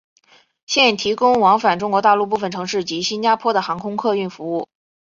现提供往返中国大陆部分城市及新加坡的航空客运服务。